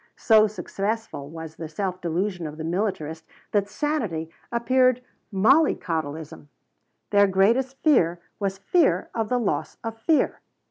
So successful was the self delusion of the militarist that sanity appeared mollycoddelism. Their greatest fear was fear of the loss of fear.